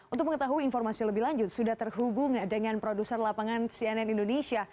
untuk mengetahui informasi lebih lanjut sudah terhubung dengan produser lapangan cnn indonesia